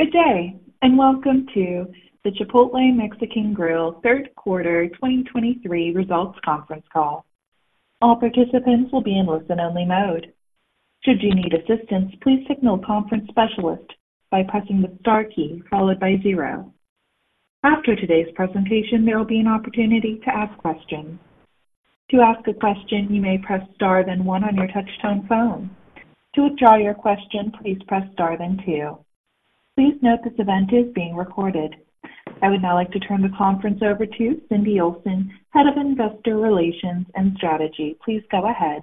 Good day, and welcome to the Chipotle Mexican Grill Third Quarter 2023 Results Conference Call. All participants will be in listen-only mode. Should you need assistance, please signal a conference specialist by pressing the star key followed by zero. After today's presentation, there will be an opportunity to ask questions. To ask a question, you may press star, then one on your touchtone phone. To withdraw your question, please press star, then two. Please note this event is being recorded. I would now like to turn the conference over to Cindy Olsen, Head of Investor Relations and Strategy. Please go ahead.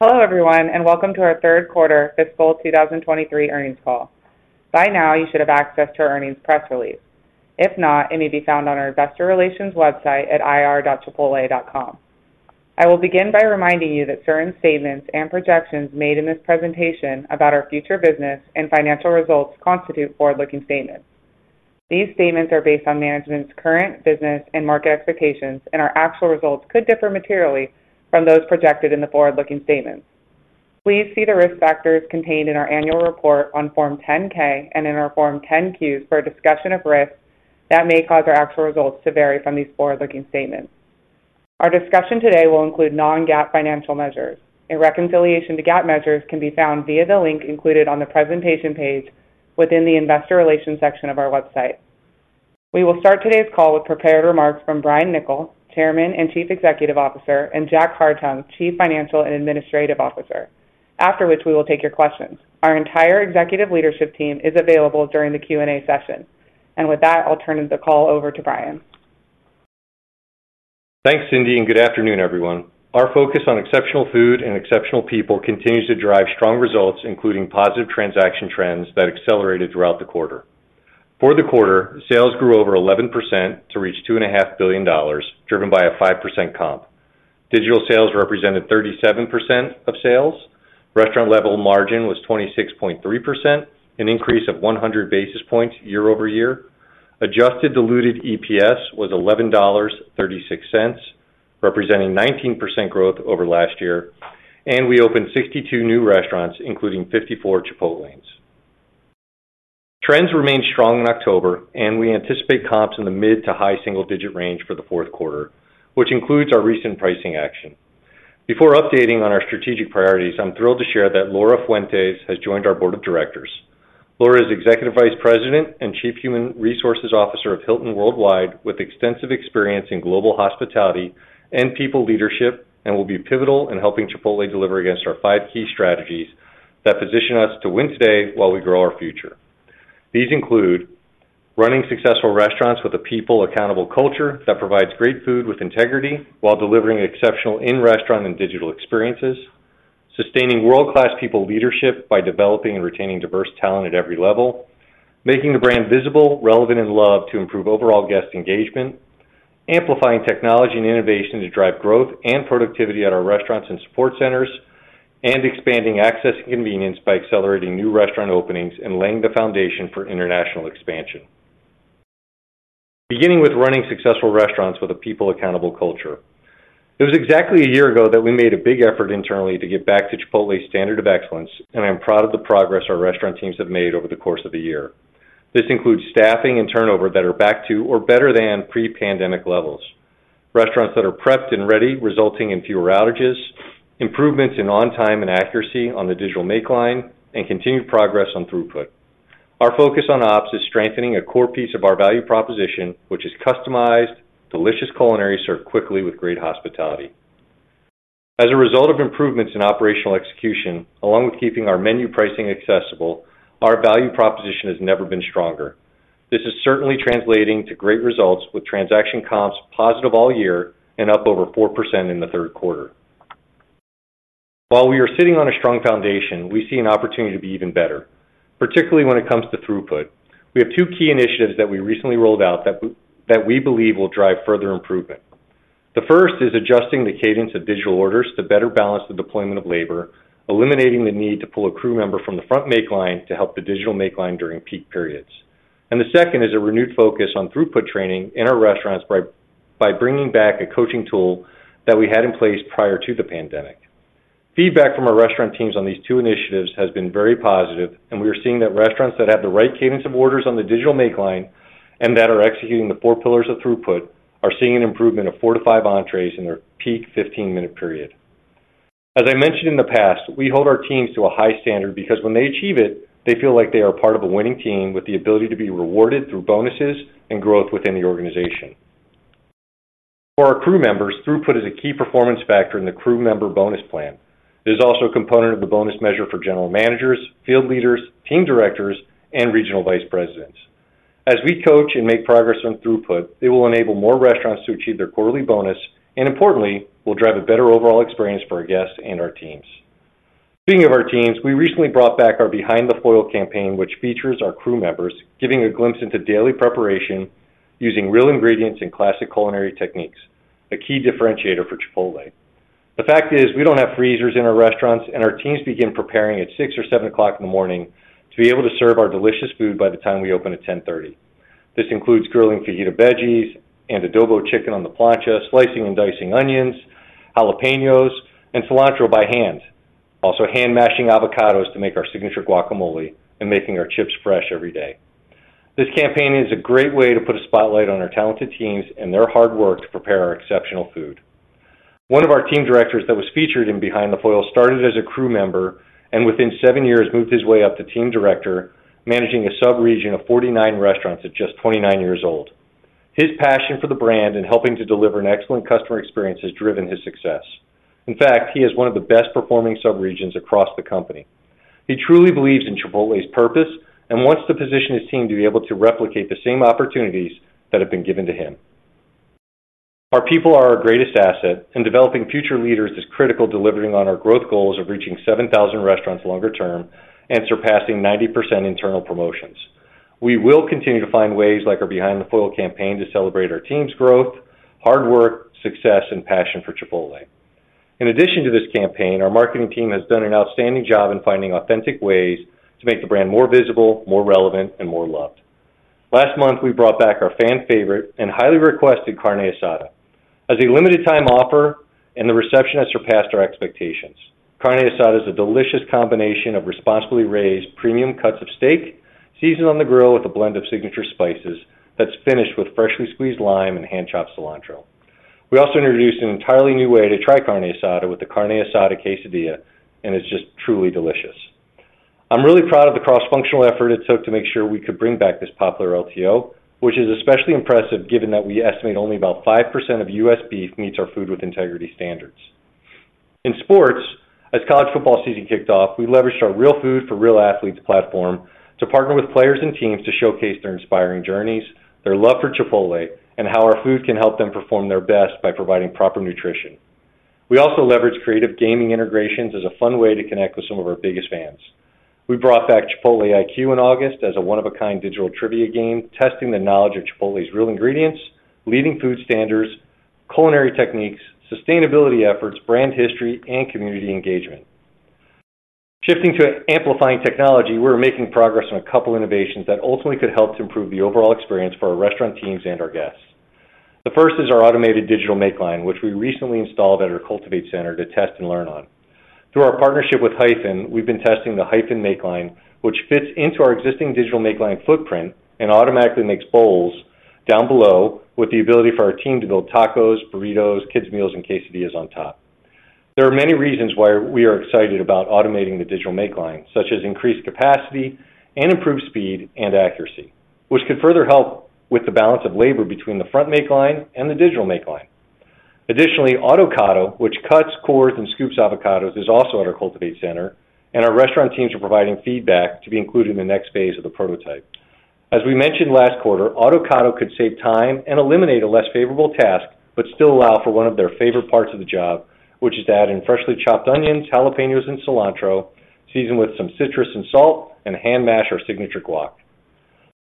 Hello, everyone, and welcome to our Third Quarter Fiscal 2023 Earnings Call. By now, you should have access to our earnings press release. If not, it may be found on our investor relations website at ir.chipotle.com. I will begin by reminding you that certain statements and projections made in this presentation about our future business and financial results constitute forward-looking statements. These statements are based on management's current business and market expectations, and our actual results could differ materially from those projected in the forward-looking statements. Please see the risk factors contained in our annual report on Form 10-K and in our Form 10-Q for a discussion of risks that may cause our actual results to vary from these forward-looking statements. Our discussion today will include non-GAAP financial measures. A reconciliation to GAAP measures can be found via the link included on the presentation page within the Investor Relations section of our website. We will start today's call with prepared remarks from Brian Niccol, Chairman and Chief Executive Officer, and Jack Hartung, Chief Financial and Administrative Officer, after which we will take your questions. Our entire executive leadership team is available during the Q&A session. With that, I'll turn the call over to Brian. Thanks, Cindy, and good afternoon, everyone. Our focus on exceptional food and exceptional people continues to drive strong results, including positive transaction trends that accelerated throughout the quarter. For the quarter, sales grew over 11% to reach $2.5 billion, driven by a 5% comp. Digital sales represented 37% of sales. Restaurant level margin was 26.3%, an increase of 100 basis points year-over-year. Adjusted diluted EPS was $11.36, representing 19% growth over last year, and we opened 62 new restaurants, including 54 Chipotlanes. Trends remained strong in October, and we anticipate comps in the mid- to high-single-digit range for the fourth quarter, which includes our recent pricing action. Before updating on our strategic priorities, I'm thrilled to share that Laura Fuentes has joined our Board of Directors. Laura is Executive Vice President and Chief Human Resources Officer of Hilton Worldwide, with extensive experience in global hospitality and people leadership and will be pivotal in helping Chipotle deliver against our five key strategies that position us to win today while we grow our future. These include running successful restaurants with a people-accountable culture that provides great Food with Integrity while delivering exceptional in-restaurant and digital experiences, sustaining world-class people leadership by developing and retaining diverse talent at every level, making the brand visible, relevant, and loved to improve overall guest engagement, amplifying technology and innovation to drive growth and productivity at our restaurants and support centers, and expanding access and convenience by accelerating new restaurant openings and laying the foundation for international expansion. Beginning with running successful restaurants with a people-accountable culture. It was exactly a year ago that we made a big effort internally to get back to Chipotle's standard of excellence, and I'm proud of the progress our restaurant teams have made over the course of the year. This includes staffing and turnover that are back to or better than pre-pandemic levels, restaurants that are prepped and ready, resulting in fewer outages, improvements in on-time and accuracy on the digital make line, and continued progress on throughput. Our focus on ops is strengthening a core piece of our value proposition, which is customized, delicious culinary served quickly with great hospitality. As a result of improvements in operational execution, along with keeping our menu pricing accessible, our value proposition has never been stronger. This is certainly translating to great results with transaction comps positive all year and up over 4% in the third quarter. While we are sitting on a strong foundation, we see an opportunity to be even better, particularly when it comes to throughput. We have two key initiatives that we recently rolled out that we believe will drive further improvement. The first is adjusting the cadence of digital orders to better balance the deployment of labor, eliminating the need to pull a crew member from the front make line to help the Digital Make Line during peak periods. The second is a renewed focus on throughput training in our restaurants by bringing back a coaching tool that we had in place prior to the pandemic. Feedback from our restaurant teams on these two initiatives has been very positive, and we are seeing that restaurants that have the right cadence of orders on the digital make line and that are executing the four pillars of throughput are seeing an improvement of four to five entrees in their peak 15-minute period. As I mentioned in the past, we hold our teams to a high standard because when they achieve it, they feel like they are part of a winning team with the ability to be rewarded through bonuses and growth within the organization. For our crew members, throughput is a key performance factor in the crew member bonus plan. It is also a component of the bonus measure for general managers, field leaders, team directors, and regional vice presidents. As we coach and make progress on throughput, it will enable more restaurants to achieve their quarterly bonus and, importantly, will drive a better overall experience for our guests and our teams. Speaking of our teams, we recently brought back our Behind the Foil campaign, which features our crew members giving a glimpse into daily preparation using real ingredients and classic culinary techniques, a key differentiator for Chipotle. The fact is, we don't have freezers in our restaurants, and our teams begin preparing at 6 or 7 o'clock in the morning to be able to serve our delicious food by the time we open at 10:30 A.M. This includes grilling Fajita Veggies and Adobo Chicken on the plancha, slicing and dicing onions, jalapeños, and cilantro by hand. Also, hand-mashing avocados to make our signature guacamole, and making our chips fresh every day. This campaign is a great way to put a spotlight on our talented teams and their hard work to prepare our exceptional food. One of our team directors that was featured in Behind the Foil started as a crew member, and within seven years, moved his way up to team director, managing a sub-region of 49 restaurants at just 29 years old. His passion for the brand and helping to deliver an excellent customer experience has driven his success. In fact, he has one of the best performing sub-regions across the company. He truly believes in Chipotle's purpose and wants to position his team to be able to replicate the same opportunities that have been given to him. Our people are our greatest asset, and developing future leaders is critical delivering on our growth goals of reaching 7,000 restaurants longer term and surpassing 90% internal promotions. We will continue to find ways like our Behind the Foil campaign to celebrate our team's growth, hard work, success, and passion for Chipotle. In addition to this campaign, our marketing team has done an outstanding job in finding authentic ways to make the brand more visible, more relevant, and more loved. Last month, we brought back our fan favorite and highly requested Carne Asada as a limited time offer, and the reception has surpassed our expectations. Carne Asada is a delicious combination of responsibly raised premium cuts of steak, seasoned on the grill with a blend of signature spices, that's finished with freshly squeezed lime and hand-chopped cilantro. We also introduced an entirely new way to try Carne Asada with the Carne Asada Quesadilla, and it's just truly delicious. I'm really proud of the cross-functional effort it took to make sure we could bring back this popular LTO, which is especially impressive, given that we estimate only about 5% of U.S. beef meets our Food with Integrity standards. In sports, as college football season kicked off, we leveraged our Real Food for Real Athletes platform to partner with players and teams to showcase their inspiring journeys, their love for Chipotle, and how our food can help them perform their best by providing proper nutrition. We also leveraged creative gaming integrations as a fun way to connect with some of our biggest fans. We brought back Chipotle IQ in August as a one-of-a-kind digital trivia game, testing the knowledge of Chipotle's real ingredients, leading food standards, culinary techniques, sustainability efforts, brand history, and community engagement. Shifting to amplifying technology, we're making progress on a couple innovations that ultimately could help to improve the overall experience for our restaurant teams and our guests. The first is our automated digital make line, which we recently installed at our Cultivate Center to test and learn on. Through our partnership with Hyphen, we've been testing the Hyphen make line, which fits into our existing digital make line footprint and automatically makes bowls down below, with the ability for our team to build tacos, burritos, kids meals, and quesadillas on top. There are many reasons why we are excited about automating the digital make line, such as increased capacity and improved speed and accuracy, which could further help with the balance of labor between the front make line and the digital make line. Additionally, Autocado, which cuts, cores, and scoops avocados, is also at our Cultivate Center, and our restaurant teams are providing feedback to be included in the next phase of the prototype. As we mentioned last quarter, Autocado could save time and eliminate a less favorable task, but still allow for one of their favorite parts of the job, which is to add in freshly chopped onions, jalapenos, and cilantro, season with some citrus and salt, and hand-mash our signature guac.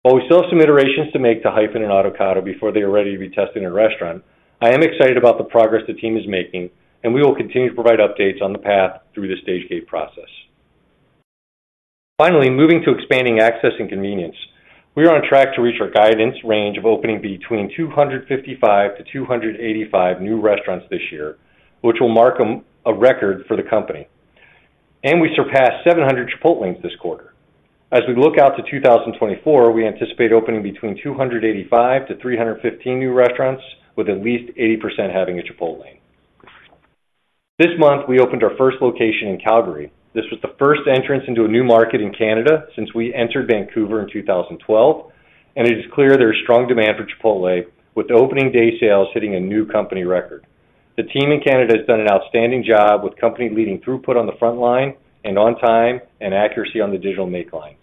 While we still have some iterations to make to Hyphen and Autocado before they are ready to be tested in a restaurant, I am excited about the progress the team is making, and we will continue to provide updates on the path through the stage gate process. Finally, moving to expanding access and convenience. We are on track to reach our guidance range of opening between 255-285 new restaurants this year, which will mark a record for the company. We surpassed 700 Chipotlanes this quarter. As we look out to 2024, we anticipate opening between 285-315 new restaurants, with at least 80% having a Chipotlane. This month, we opened our first location in Calgary. This was the first entrance into a new market in Canada since we entered Vancouver in 2012, and it is clear there is strong demand for Chipotle, with opening day sales hitting a new company record. The team in Canada has done an outstanding job with company-leading throughput on the front line and on time and accuracy on the digital make line.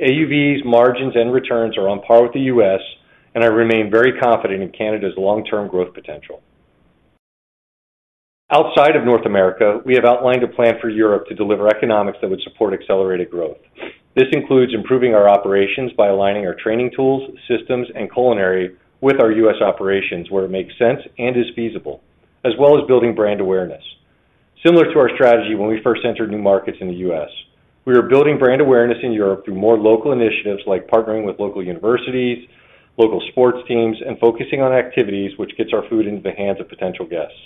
AUVs margins and returns are on par with the U.S., and I remain very confident in Canada's long-term growth potential. Outside of North America, we have outlined a plan for Europe to deliver economics that would support accelerated growth. This includes improving our operations by aligning our training tools, systems, and culinary with our U.S. operations, where it makes sense and is feasible, as well as building brand awareness. Similar to our strategy when we first entered new markets in the U.S., we are building brand awareness in Europe through more local initiatives, like partnering with local universities, local sports teams, and focusing on activities which gets our food into the hands of potential guests.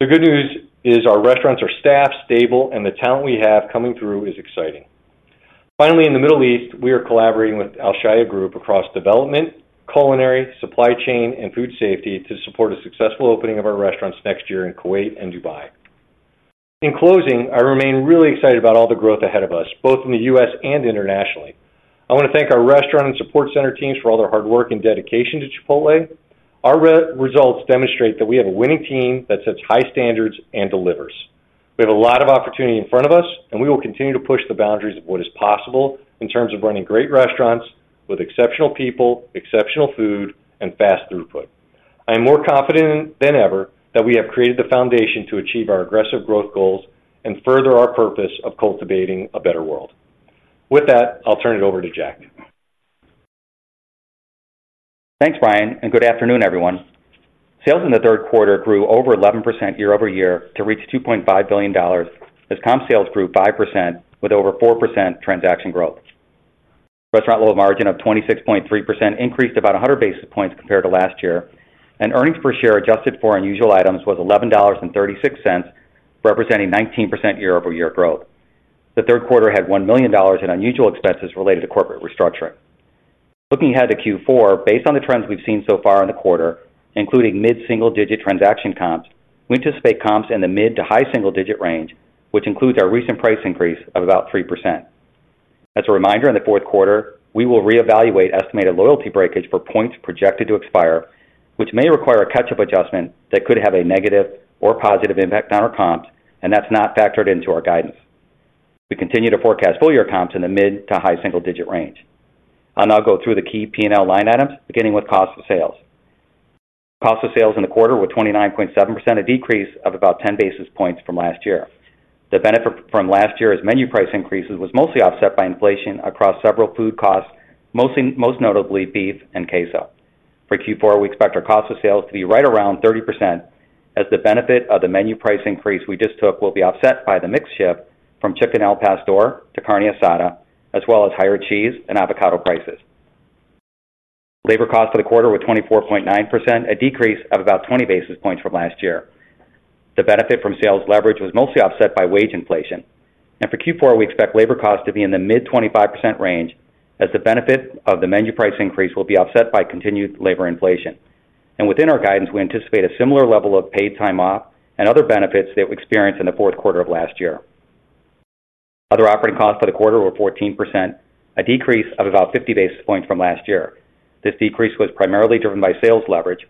The good news is our restaurants are staffed, stable, and the talent we have coming through is exciting. Finally, in the Middle East, we are collaborating with Alshaya Group across development, culinary, supply chain, and food safety to support a successful opening of our restaurants next year in Kuwait and Dubai. In closing, I remain really excited about all the growth ahead of us, both in the U.S. and internationally. I want to thank our restaurant and support center teams for all their hard work and dedication to Chipotle. Our results demonstrate that we have a winning team that sets high standards and delivers. We have a lot of opportunity in front of us, and we will continue to push the boundaries of what is possible in terms of running great restaurants with exceptional people, exceptional food, and fast throughput. I am more confident than ever that we have created the foundation to achieve our aggressive growth goals and further our purpose of cultivating a better world. With that, I'll turn it over to Jack. Thanks, Brian, and good afternoon, everyone. Sales in the third quarter grew over 11% year-over-year to reach $2.5 billion, as comp sales grew 5% with over 4% transaction growth. Restaurant level margin of 26.3% increased about 100 basis points compared to last year, and earnings per share, adjusted for unusual items, was $11.36, representing 19% year-over-year growth. The third quarter had $1 million in unusual expenses related to corporate restructuring. Looking ahead to Q4, based on the trends we've seen so far in the quarter, including mid-single-digit transaction comps, we anticipate comps in the mid to high single-digit range, which includes our recent price increase of about 3%. As a reminder, in the fourth quarter, we will reevaluate estimated loyalty breakage for points projected to expire, which may require a catch-up adjustment that could have a negative or positive impact on our comps, and that's not factored into our guidance. We continue to forecast full-year comps in the mid- to high-single-digit range. I'll now go through the key P&L line items, beginning with cost of sales. Cost of sales in the quarter were 29.7%, a decrease of about 10 basis points from last year. The benefit from last year's menu price increases was mostly offset by inflation across several food costs, most notably beef and queso. For Q4, we expect our cost of sales to be right around 30%, as the benefit of the menu price increase we just took will be offset by the mix shift from Chicken Al Pastor to Carne Asada, as well as higher cheese and avocado prices. Labor costs for the quarter were 24.9%, a decrease of about 20 basis points from last year. The benefit from sales leverage was mostly offset by wage inflation, and for Q4, we expect labor costs to be in the mid-25% range as the benefit of the menu price increase will be offset by continued labor inflation. Within our guidance, we anticipate a similar level of paid time off and other benefits that we experienced in the fourth quarter of last year. Other operating costs for the quarter were 14%, a decrease of about 50 basis points from last year. This decrease was primarily driven by sales leverage.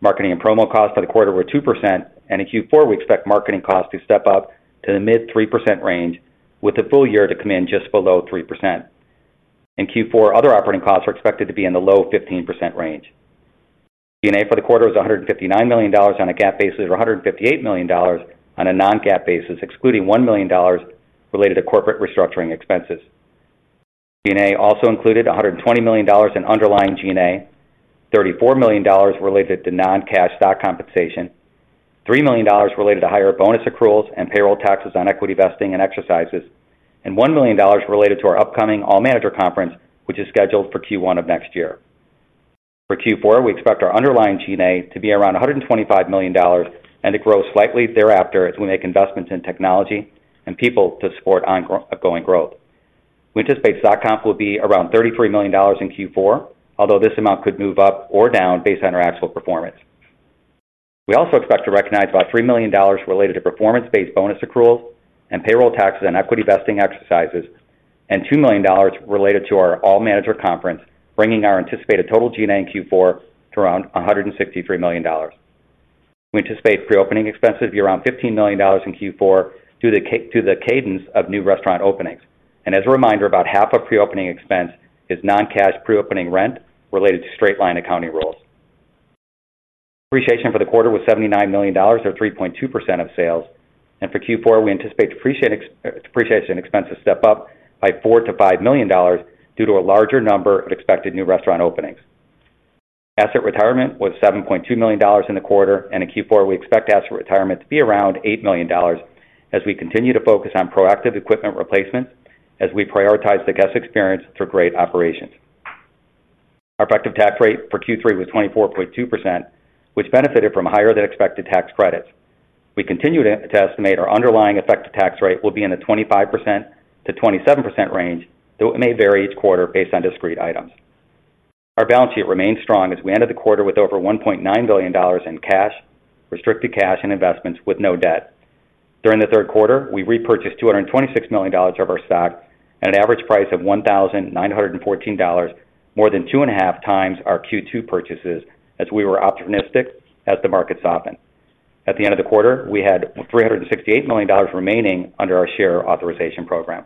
Marketing and promo costs for the quarter were 2%, and in Q4, we expect marketing costs to step up to the mid-3% range, with the full year to come in just below 3%. In Q4, other operating costs are expected to be in the low-15% range. G&A for the quarter was $159 million on a GAAP basis, or $158 million on a non-GAAP basis, excluding $1 million related to corporate restructuring expenses. G&A also included $120 million in underlying G&A, $34 million related to non-cash stock compensation, $3 million related to higher bonus accruals and payroll taxes on equity vesting and exercises, and $1 million related to our upcoming all manager conference, which is scheduled for Q1 of next year. For Q4, we expect our underlying G&A to be around $125 million and to grow slightly thereafter as we make investments in technology and people to support ongoing growth. We anticipate stock comp will be around $33 million in Q4, although this amount could move up or down based on our actual performance. We also expect to recognize about $3 million related to performance-based bonus accruals and payroll taxes and equity vesting exercises, and $2 million related to our all manager conference, bringing our anticipated total G&A in Q4 to around $163 million. We anticipate pre-opening expenses to be around $15 million in Q4 due to the cadence of new restaurant openings. As a reminder, about half of pre-opening expense is non-cash pre-opening rent related to straight-line accounting rules. Depreciation for the quarter was $79 million, or 3.2% of sales. For Q4, we anticipate depreciation expenses step up by $4 million-$5 million due to a larger number of expected new restaurant openings. Asset retirement was $7.2 million in the quarter, and in Q4, we expect asset retirement to be around $8 million as we continue to focus on proactive equipment replacement as we prioritize the guest experience through great operations. Our effective tax rate for Q3 was 24.2%, which benefited from higher than expected tax credits. We continue to estimate our underlying effective tax rate will be in the 25%-27% range, though it may vary each quarter based on discrete items. Our balance sheet remains strong as we ended the quarter with over $1.9 billion in cash, restricted cash, and investments with no debt. During the third quarter, we repurchased $226 million of our stock at an average price of $1,914, more than 2.5 times our Q2 purchases, as the market softened. At the end of the quarter, we had $368 million remaining under our share authorization program.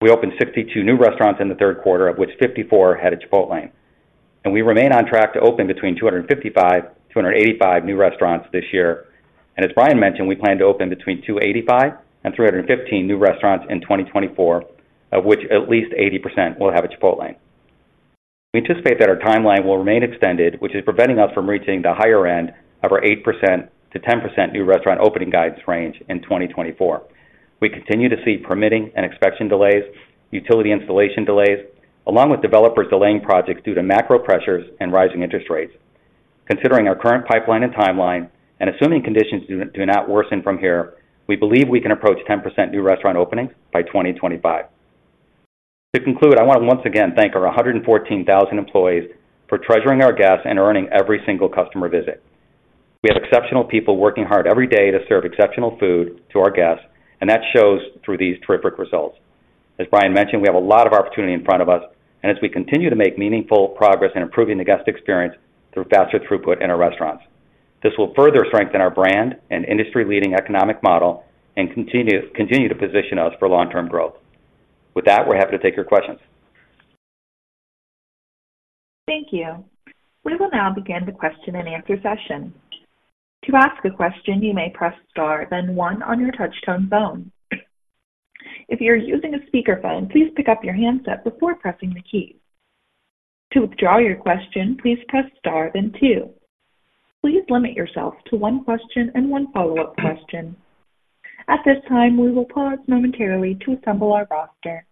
We opened 62 new restaurants in the third quarter, of which 54 had a Chipotlane. We remain on track to open between 255-285 new restaurants this year. As Brian mentioned, we plan to open between 285-315 new restaurants in 2024, of which at least 80% will have a Chipotlane. We anticipate that our timeline will remain extended, which is preventing us from reaching the higher end of our 8%-10% new restaurant opening guidance range in 2024. We continue to see permitting and inspection delays, utility installation delays, along with developers delaying projects due to macro pressures and rising interest rates. Considering our current pipeline and timeline, and assuming conditions do not worsen from here, we believe we can approach 10% new restaurant openings by 2025. To conclude, I want to once again thank our 114,000 employees for treasuring our guests and earning every single customer visit. We have exceptional people working hard every day to serve exceptional food to our guests, and that shows through these terrific results. As Brian mentioned, we have a lot of opportunity in front of us and as we continue to make meaningful progress in improving the guest experience through faster throughput in our restaurants. This will further strengthen our brand and industry-leading economic model and continue to position us for long-term growth. With that, we're happy to take your questions. Thank you. We will now begin the question and answer session. To ask a question, you may press star, then one on your touchtone phone. If you're using a speakerphone, please pick up your handset before pressing the key. To withdraw your question, please press star then two. Please limit yourself to one question and one follow-up question. At this time, we will pause momentarily to assemble our roster.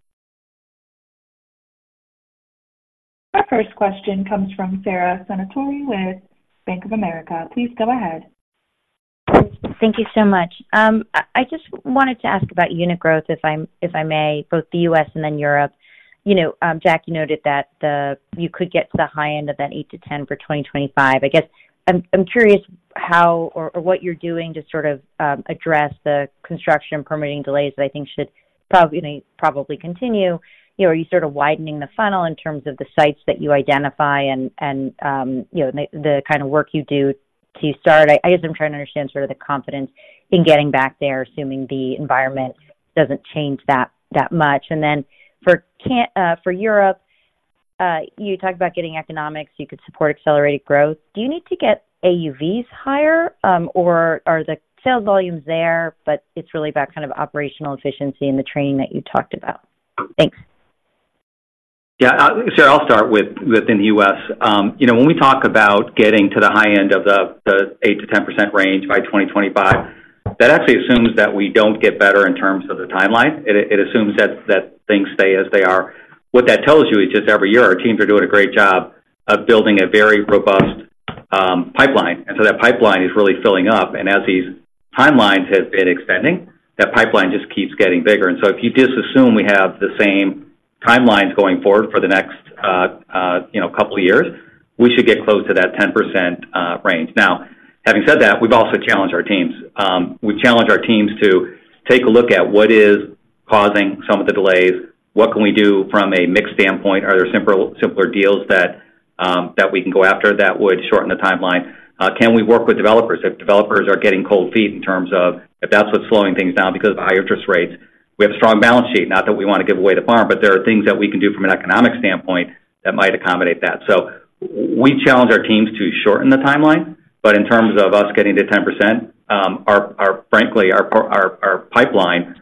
Our first question comes from Sara Senatore with Bank of America. Please go ahead. Thank you so much. I just wanted to ask about unit growth, if I may, both the U.S. and then Europe. You know, Jack, you noted that you could get to the high end of that 8%-10% for 2025. I guess, I'm curious how or what you're doing to sort of address the construction permitting delays that I think should probably continue. You know, are you sort of widening the funnel in terms of the sites that you identify and the kind of work you do to start? I guess I'm trying to understand sort of the confidence in getting back there, assuming the environment doesn't change that much. For Europe, you talked about getting economics you could support accelerated growth. Do you need to get AUVs higher, or are the sales volumes there, but it's really about kind of operational efficiency and the training that you talked about? Thanks. Yeah, so I'll start with within U.S. You know, when we talk about getting to the high end of the 8%-10% range by 2025, that actually assumes that we don't get better in terms of the timeline. It assumes that things stay as they are. What that tells you is just every year, our teams are doing a great job of building a very robust pipeline, and so that pipeline is really filling up, and as these timelines have been extending, that pipeline just keeps getting bigger. And so if you just assume we have the same timelines going forward for the next, you know, couple of years, we should get close to that 10% range. Now, having said that, we've also challenged our teams. We've challenged our teams to take a look at what is causing some of the delays. What can we do from a mix standpoint? Are there simpler, simpler deals that we can go after that would shorten the timeline? Can we work with developers? If developers are getting cold feet in terms of if that's what's slowing things down because of high interest rates, we have a strong balance sheet. Not that we want to give away the farm, but there are things that we can do from an economic standpoint that might accommodate that. We challenge our teams to shorten the timeline, but in terms of us getting to 10%, our, frankly, our pipeline,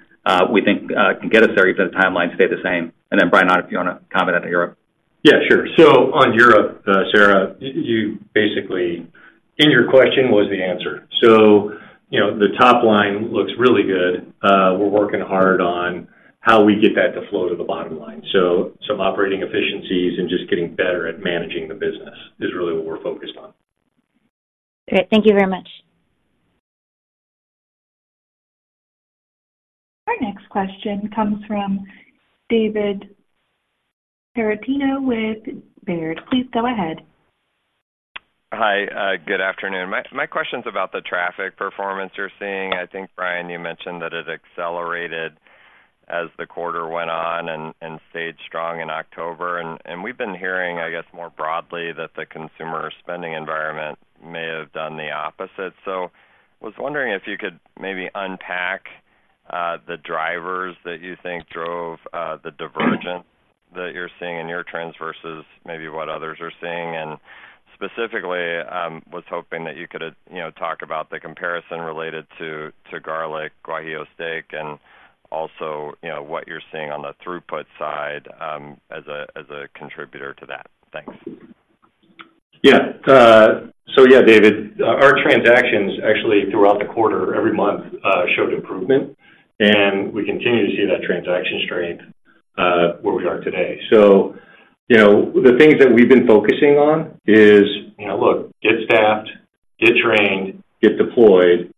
we think, can get us there, even if the timelines stay the same. And then, Brian, I don't know if you want to comment on Europe. Yeah, sure. So on Europe, Sara, you basically, in your question was the answer. So, you know, the top line looks really good. We're working hard on how we get that to flow to the bottom line. So some operating efficiencies and just getting better at managing the business is really what we're focused on. Great. Thank you very much. Our next question comes from David Tarantino with Baird. Please go ahead. Hi, good afternoon. My question's about the traffic performance you're seeing. I think, Brian, you mentioned that it accelerated as the quarter went on and stayed strong in October. And we've been hearing, I guess, more broadly, that the consumer spending environment may have done the opposite. So I was wondering if you could maybe unpack the drivers that you think drove the divergence that you're seeing in your trends versus maybe what others are seeing. And specifically, was hoping that you could, you know, talk about the comparison related to Garlic Guajillo Steak, and also, you know, what you're seeing on the throughput side, as a contributor to that. Thanks. Yeah. So yeah, David, our transactions actually throughout the quarter, every month, showed improvement, and we continue to see that transaction strength, where we are today. So, you know, the things that we've been focusing on is, you know, look, get staffed, get trained, get deployed,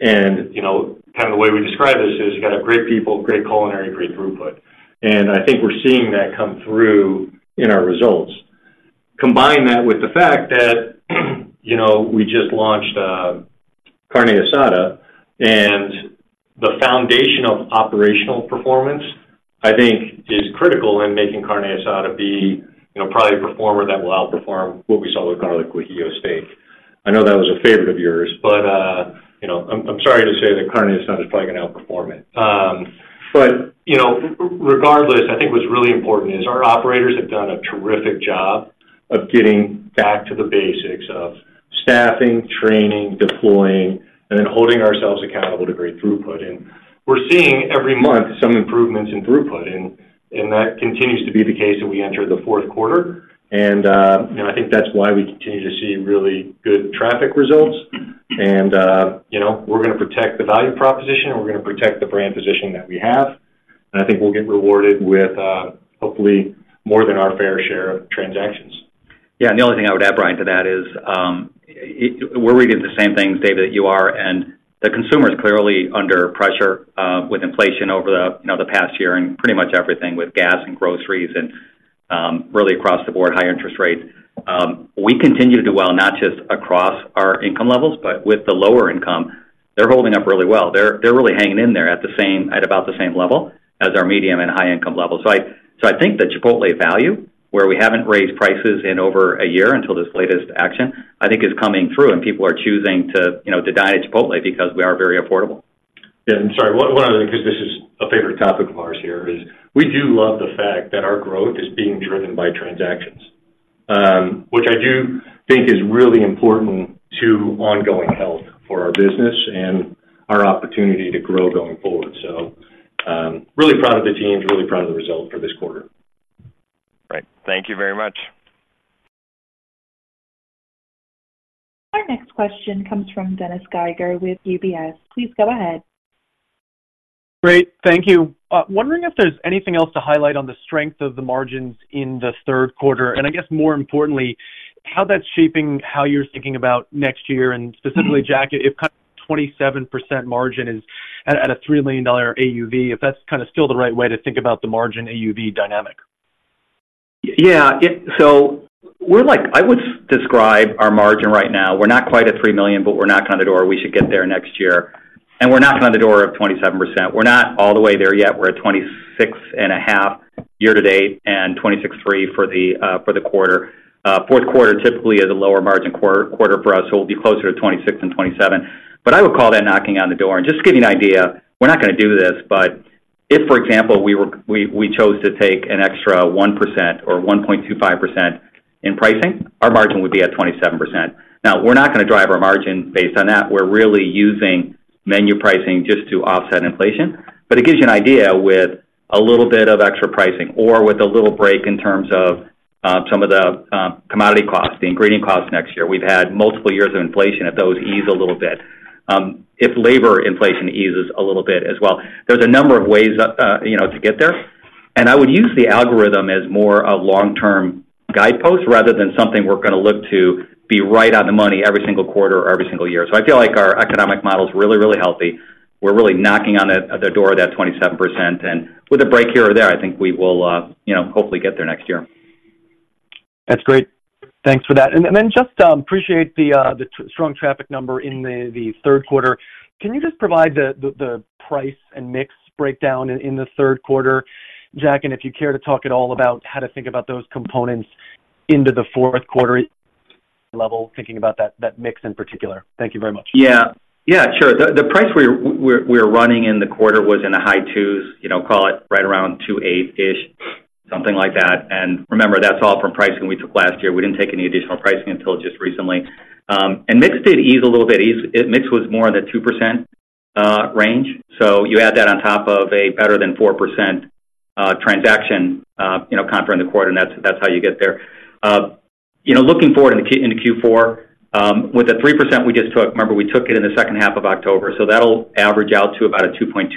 and, you know, kind of the way we describe this is: you got to have great people, great culinary, great throughput. And I think we're seeing that come through in our results. Combine that with the fact that, you know, we just launched, Carne Asada, and the foundation of operational performance, I think, is critical in making Carne Asada be, you know, probably a performer that will outperform what we saw with Garlic Guajillo Steak. I know that was a favorite of yours, but, you know, I'm sorry to say that Carne Asada is probably gonna outperform it. But, you know, regardless, I think what's really important is our operators have done a terrific job of getting back to the basics of staffing, training, deploying, and then holding ourselves accountable to great throughput. And we're seeing every month, some improvements in throughput, and, and that continues to be the case as we enter the fourth quarter. And, you know, I think that's why we continue to see really good traffic results. And, you know, we're gonna protect the value proposition, and we're gonna protect the brand position that we have. And I think we'll get rewarded with, hopefully more than our fair share of transactions. Yeah, and the only thing I would add, Brian, to that is, we're reading the same things, David, that you are, and the consumer is clearly under pressure, with inflation over the, you know, the past year and pretty much everything with gas and groceries and, really across the board, high interest rates. We continue to do well, not just across our income levels, but with the lower income. They're holding up really well. They're really hanging in there at about the same level as our medium and high income levels. So I think the Chipotle value, where we haven't raised prices in over a year until this latest action, I think is coming through, and people are choosing to, you know, to dine at Chipotle because we are very affordable. Yeah, I'm sorry. One other thing, because this is a favorite topic of ours here, is we do love the fact that our growth is being driven by transactions. Which I do think is really important to ongoing health for our business and our opportunity to grow going forward. So, really proud of the teams, really proud of the result for this quarter. Right. Thank you very much. Our next question comes from Dennis Geiger with UBS. Please go ahead. Great. Thank you. Wondering if there's anything else to highlight on the strength of the margins in the third quarter, and I guess more importantly, how that's shaping how you're thinking about next year and specifically, Jack, if kind of 27% margin is at, at a $3 million AUV, if that's kind of still the right way to think about the margin AUV dynamic? Yeah, so we're like, I would describe our margin right now, we're not quite at $3 million, but we're knocking on the door. We should get there next year, and we're knocking on the door of 27%. We're not all the way there yet. We're at 26.5% year to date, and 26.3% for the quarter. Fourth quarter typically is a lower margin quarter for us, so we'll be closer to 26% than 27%. I would call that knocking on the door. Just to give you an idea, we're not gonna do this, but if, for example, we were-- we, we chose to take an extra 1% or 1.25% in pricing, our margin would be at 27%. Now, we're not gonna drive our margin based on that. We're really using menu pricing just to offset inflation. But it gives you an idea with a little bit of extra pricing or with a little break in terms of some of the commodity costs, the ingredient costs next year. We've had multiple years of inflation, if those ease a little bit, if labor inflation eases a little bit as well. There's a number of ways, you know, to get there, and I would use the algorithm as more a long-term guidepost rather than something we're gonna look to be right on the money every single quarter or every single year. So I feel like our economic model is really, really healthy. We're really knocking on the door of that 27%, and with a break here or there, I think we will, you know, hopefully get there next year. That's great. Thanks for that. Then just appreciate the strong traffic number in the third quarter. Can you just provide the price and mix breakdown in the third quarter, Jack? And if you care to talk at all about how to think about those components into the fourth quarter level, thinking about that mix in particular. Thank you very much. Yeah. Yeah, sure. The price we're running in the quarter was in the high 2s, you know, call it right around 2.8-ish, something like that. And remember, that's all from pricing we took last year. We didn't take any additional pricing until just recently. And mix did ease a little bit. Mix was more in the 2% range. So you add that on top of a better than 4% transaction, you know, comp during the quarter, and that's how you get there. You know, looking forward into Q4, with the 3% we just took, remember, we took it in the second half of October, so that'll average out to about a 2.2%,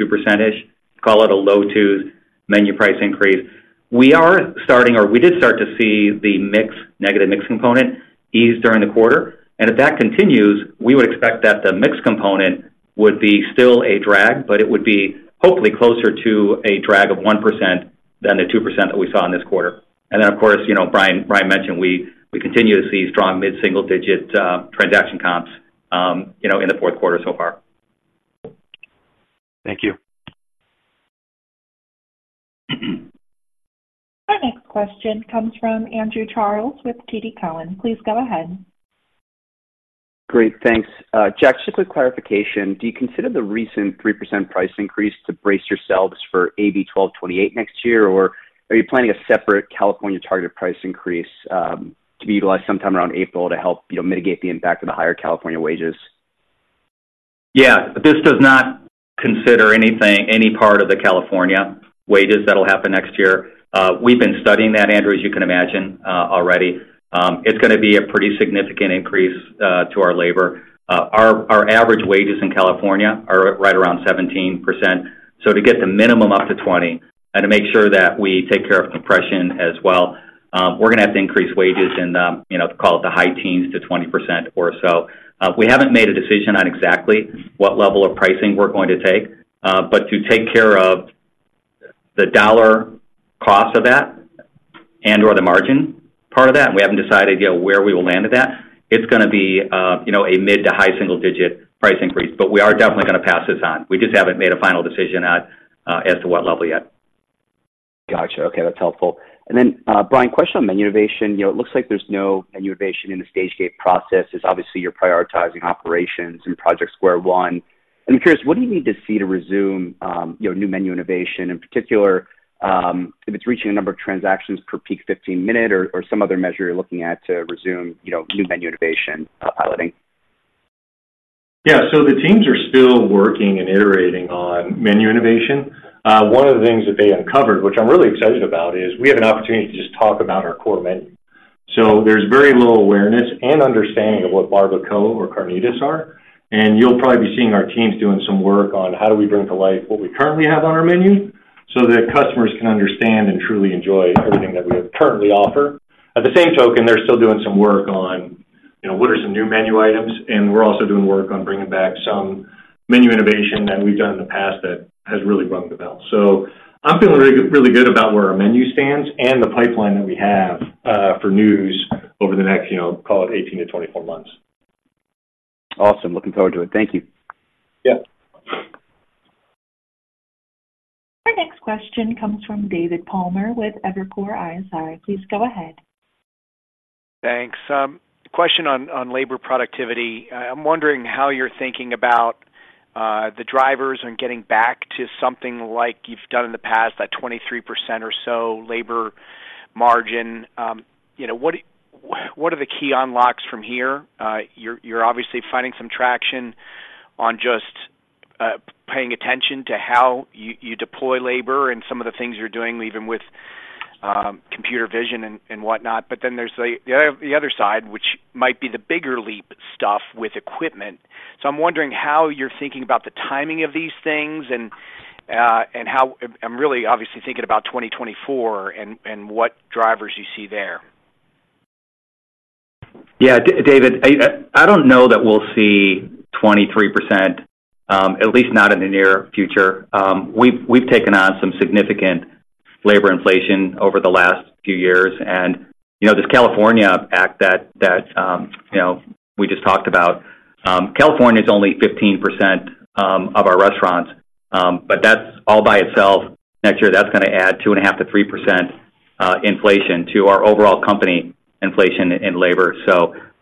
call it a low 2s menu price increase. We are starting, or we did start to see the mix, negative mix component ease during the quarter. And if that continues, we would expect that the mix component would be still a drag, but it would be hopefully closer to a drag of 1% than the 2% that we saw in this quarter. And then, of course, you know, Brian, Brian mentioned, we continue to see strong mid-single digit transaction comps, you know, in the fourth quarter so far. Thank you. Our next question comes from Andrew Charles with TD Cowen. Please go ahead. Great. Thanks. Jack, just a quick clarification. Do you consider the recent 3% price increase to brace yourselves for AB 1228 next year, or are you planning a separate California target price increase, to be utilized sometime around April to help, you know, mitigate the impact of the higher California wages? Yeah, this does not consider anything, any part of the California wages that'll happen next year. We've been studying that, Andrew, as you can imagine, already. It's gonna be a pretty significant increase to our labor. Our average wages in California are right around 17%. So to get the minimum up to 20, and to make sure that we take care of compression as well, we're gonna have to increase wages in the, you know, call it the high teens to 20% or so. We haven't made a decision on exactly what level of pricing we're going to take, but to take care of the dollar cost of that and/or the margin part of that, and we haven't decided yet where we will land at that. It's gonna be, you know, a mid- to high-single-digit price increase. But we are definitely gonna pass this on. We just haven't made a final decision as to what level yet. Gotcha. Okay, that's helpful. And then, Brian, question on menu innovation. You know, it looks like there's no menu innovation in the stage-gate process, as obviously you're prioritizing operations in Project Square One. I'm curious, what do you need to see to resume, you know, new menu innovation, in particular, if it's reaching a number of transactions per peak 15-minute or, or some other measure you're looking at to resume, you know, new menu innovation, piloting? Yeah, so the teams are still working and iterating on menu innovation. One of the things that they uncovered, which I'm really excited about, is we have an opportunity to just talk about our core menu. So there's very little awareness and understanding of what barbacoa or carnitas are, and you'll probably be seeing our teams doing some work on how do we bring to life what we currently have on our menu so that customers can understand and truly enjoy everything that we currently offer. At the same token, they're still doing some work on, you know, what are some new menu items, and we're also doing work on bringing back some menu innovation that we've done in the past that has really rung the bell. So I'm feeling really, really good about where our menu stands and the pipeline that we have for news over the next, you know, call it 18-24 months. Awesome. Looking forward to it. Thank you. Yep. Our next question comes from David Palmer with Evercore ISI. Please go ahead. Thanks. Question on labor productivity. I'm wondering how you're thinking about the drivers and getting back to something like you've done in the past, that 23% or so labor margin, you know, what are the key unlocks from here? You're obviously finding some traction on just paying attention to how you deploy labor and some of the things you're doing, even with computer vision and whatnot. Then there's the other side, which might be the bigger leap stuff with equipment. I'm wondering how you're thinking about the timing of these things, and how-- I'm really obviously thinking about 2024 and what drivers you see there. Yeah, David, I don't know that we'll see 23%, at least not in the near future. We've taken on some significant labor inflation over the last few years, and, you know, this California Act that, you know, we just talked about, California is only 15% of our restaurants, but that's all by itself. Next year, that's gonna add 2.5%-3% inflation to our overall company inflation in labor.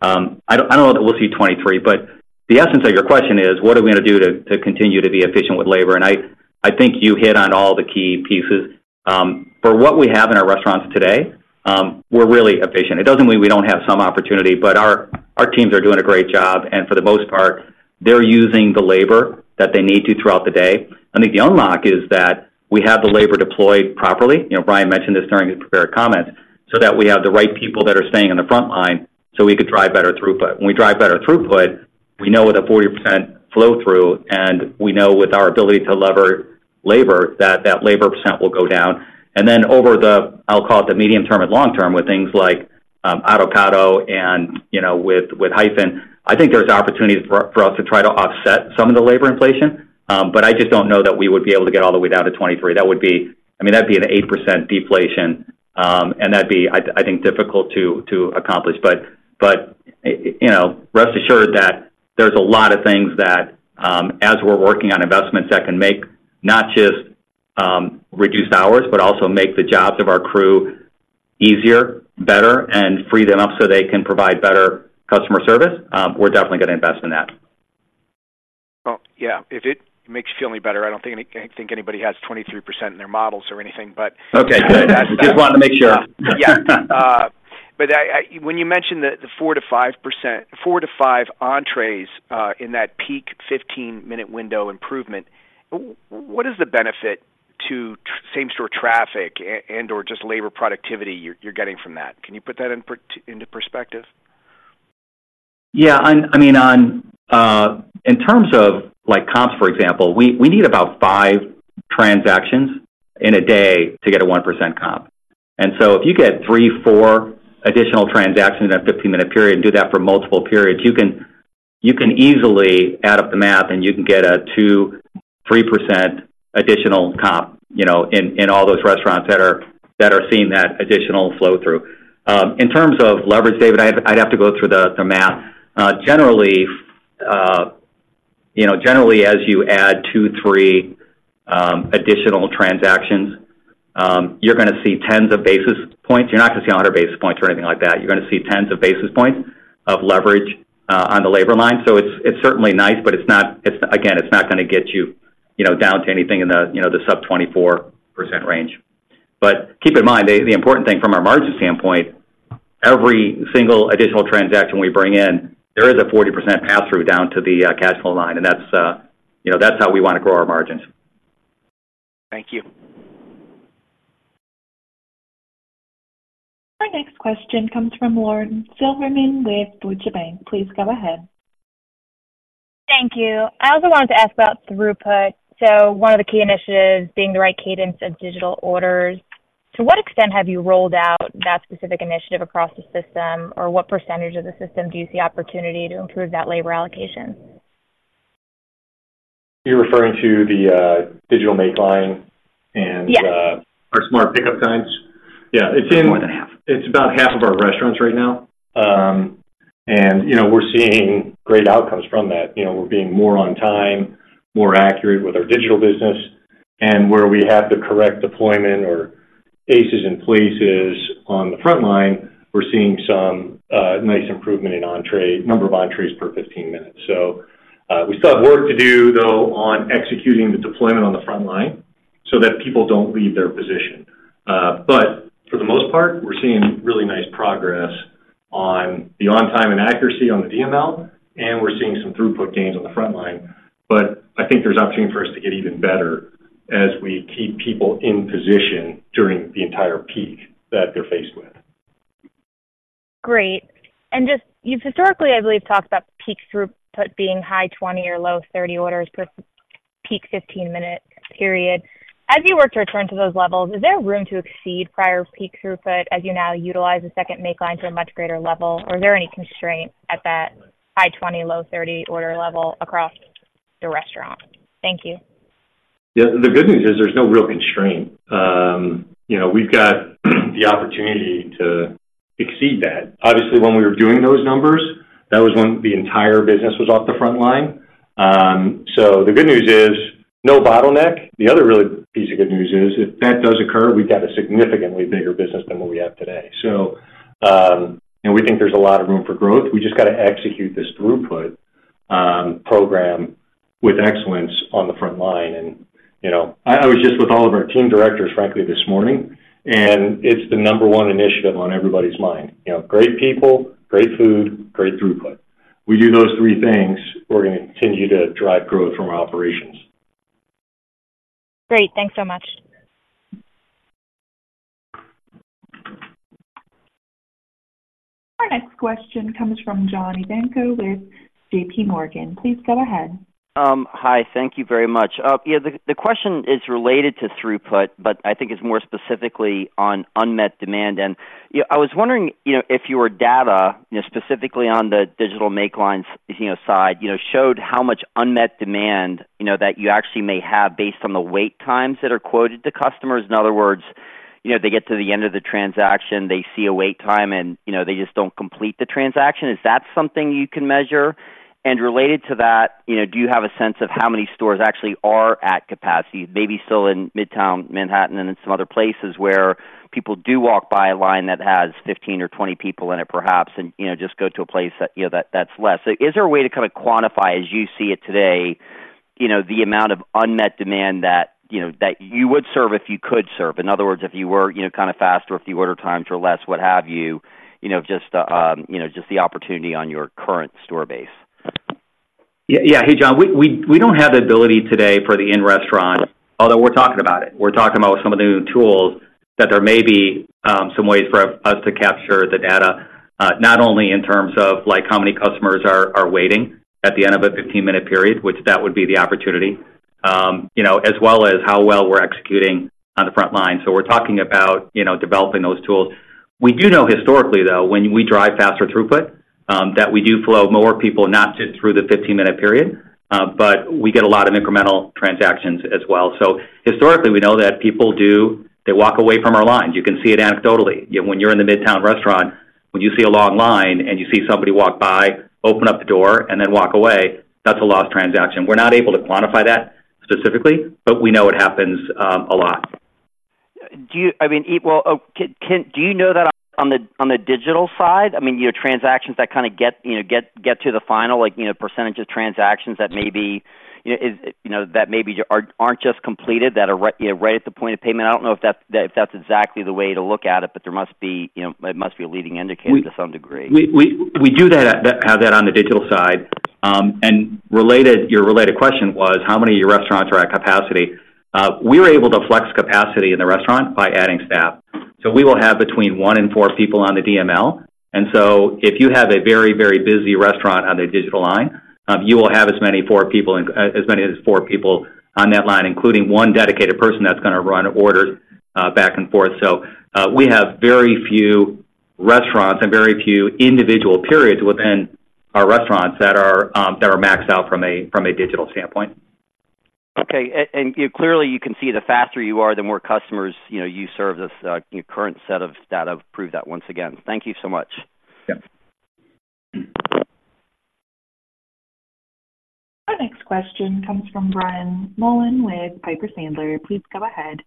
I don't know that we'll see 23, but the essence of your question is: What are we gonna do to continue to be efficient with labor? I think you hit on all the key pieces. For what we have in our restaurants today, we're really efficient. It doesn't mean we don't have some opportunity, but our teams are doing a great job, and for the most part, they're using the labor that they need to throughout the day. I think the unlock is that we have the labor deployed properly, you know, Brian mentioned this during his prepared comments, so that we have the right people that are staying on the front line, so we could drive better throughput. When we drive better throughput, we know with a 40% flow-through, and we know with our ability to lever labor, that that labor percent will go down. And then over the, I'll call it the medium term and long term, with things like Autocado and, you know, with Hyphen, I think there's opportunities for us to try to offset some of the labor inflation. But I just don't know that we would be able to get all the way down to 23%. That would be—I mean, that'd be an 8% deflation, and that'd be, I think, difficult to accomplish. But you know, rest assured that there's a lot of things that, as we're working on investments that can make, not just reduce hours, but also make the jobs of our crew easier, better, and free them up so they can provide better customer service, we're definitely gonna invest in that. Well, yeah, if it makes you feel any better, I think anybody has 23% in their models or anything, but- Okay, good. Just wanted to make sure. Yeah. I, I-- when you mentioned the 4%-5%- four to five entrees, in that peak 15-minute window improvement, what is the benefit to same store traffic and/or just labor productivity you're, you're getting from that? Can you put that into perspective? Yeah, I mean, in terms of, like, comps, for example, we need about five transactions in a day to get a 1% comp. If you get three, four additional transactions in that 15-minute period and do that for multiple periods, you can easily add up the math, and you can get a 2%, 3% additional comp, you know, in all those restaurants that are seeing that additional flow-through. In terms of leverage, David, I'd have to go through the math. Generally, you know, generally, as you add two, three additional transactions, you're gonna see tens of basis points. You're not gonna see 100 basis points or anything like that. You're gonna see tens of basis points of leverage on the labor line. So it's certainly nice, but it's not gonna get you, you know, down to anything in the, you know, the sub 24% range. But keep in mind, the important thing from a margin standpoint, every single additional transaction we bring in, there is a 40% pass-through down to the cash flow line, and that's, you know, that's how we want to grow our margins. Thank you. Our next question comes from Lauren Silberman with Deutsche Bank. Please go ahead. Thank you. I also wanted to ask about throughput. So one of the key initiatives being the right cadence of digital orders. To what extent have you rolled out that specific initiative across the system? Or what percentage of the system do you see opportunity to improve that labor allocation? You're referring to the digital make line and the our smart pickup signs? Yes. More than half. Yeah, it's in, it's about half of our restaurants right now. And, you know, we're seeing great outcomes from that. You know, we're being more on time, more accurate with our digital business. And where we have the correct deployment or aces in places on the front line, we're seeing some nice improvement in entree, number of entrees per 15 minutes. So, we still have work to do, though, on executing the deployment on the front line so that people don't leave their position. But for the most part, we're seeing really nice progress on the on-time and accuracy on the DML, and we're seeing some throughput gains on the front line. But I think there's opportunity for us to get even better as we keep people in position during the entire peak that they're faced with. Great. You've historically, I believe, talked about peak throughput being high 20 or low 30 orders per peak 15-minute period. As you work to return to those levels, is there room to exceed prior peak throughput as you now utilize the second make line to a much greater level? Is there any constraint at that high 20, low 30 order level across the restaurant? Thank you. Yeah, the good news is there's no real constraint. You know, we've got the opportunity to exceed that. Obviously, when we were doing those numbers, that was when the entire business was off the front line. So the good news is, no bottleneck. The other real piece of good news is, if that does occur, we've got a significantly bigger business than what we have today. So, and we think there's a lot of room for growth. We just got to execute this throughput program with excellence on the front line. And, you know, I was just with all of our team directors, frankly, this morning, and it's the number one initiative on everybody's mind. You know, great people, great food, great throughput. We do those three things, we're gonna continue to drive growth from our operations. Great. Thanks so much. Our next question comes from John Ivankoe with JPMorgan. Please go ahead. Hi, thank you very much. Yeah, the question is related to throughput, but I think it's more specifically on unmet demand. You know, I was wondering, you know, if your data, you know, specifically on the digital make lines, you know, side, you know, showed how much unmet demand, you know, that you actually may have based on the wait times that are quoted to customers. In other words, you know, they get to the end of the transaction, they see a wait time, and, you know, they just don't complete the transaction. Is that something you can measure? And related to that, you know, do you have a sense of how many stores actually are at capacity? Maybe still in Midtown Manhattan and in some other places where people do walk by a line that has 15 or 20 people in it, perhaps, and, you know, just go to a place that, you know, that, that's less. So is there a way to kind of quantify, as you see it today, you know, the amount of unmet demand that, you know, that you would serve if you could serve? In other words, if you were, you know, kind of faster, if the order times were less, what have you, you know, just the, you know, just the opportunity on your current store base. Yeah. Yeah. Hey, John, we don't have the ability today for the in-restaurant, although we're talking about it. We're talking about some of the new tools that there may be some ways for us to capture the data, not only in terms of, like, how many customers are waiting at the end of a 15-minute period, which that would be the opportunity, you know, as well as how well we're executing on the front line. So we're talking about, you know, developing those tools. We do know historically, though, when we drive faster throughput, that we do flow more people, not just through the 15-minute period, but we get a lot of incremental transactions as well. So historically, we know that people do. They walk away from our lines. You can see it anecdotally. When you're in the Midtown restaurant, when you see a long line, and you see somebody walk by, open up the door, and then walk away, that's a lost transaction. We're not able to quantify that specifically, but we know it happens, a lot. Do you, I mean, well, do you know that on the digital side? I mean, your transactions that kind of get, you know, to the final, like, you know, percentage of transactions that maybe, you know, is, you know, that maybe aren't just completed, that are right, you know, right at the point of payment. I don't know if that's exactly the way to look at it, but there must be, you know, it must be a leading indicator to some degree. We do that, have that on the digital side. Your related question was, how many of your restaurants are at capacity? We were able to flex capacity in the restaurant by adding staff. We will have between one and four people on the DML, and if you have a very, very busy restaurant on the digital line, you will have as many as four people on that line, including one dedicated person that's gonna run orders back and forth. We have very few restaurants and very few individual periods within our restaurants that are maxed out from a digital standpoint. Okay, and clearly, you can see the faster you are, the more customers, you know, you serve. This, your current set of data prove that once again. Thank you so much. Yep. Our next question comes from Brian Mullan with Piper Sandler. Please go ahead.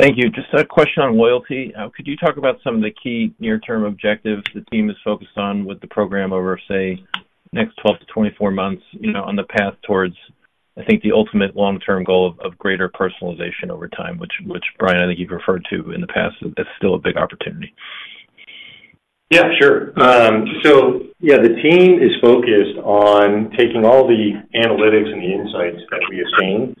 Thank you. Just a question on loyalty. Could you talk about some of the key near-term objectives the team is focused on with the program over, say, next 12-24 months, you know, on the path towards, I think, the ultimate long-term goal of greater personalization over time, which, Brian, I think you've referred to in the past, that's still a big opportunity? Yeah, sure. So yeah, the team is focused on taking all the analytics and the insights that we obtain